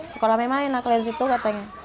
sekolah memang enak lah di situ katanya